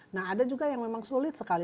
nah ada juga yang memang sulit sekali